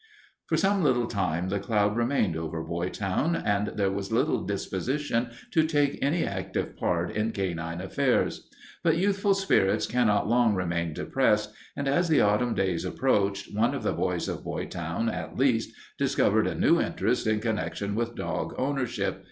For some little time the cloud remained over Boytown and there was little disposition to take any active part in canine affairs. But youthful spirits cannot long remain depressed, and as the autumn days approached, one of the boys of Boytown, at least, discovered a new interest in connection with dog ownership.